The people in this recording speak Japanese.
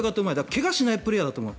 怪我しないプレーヤーだと思う。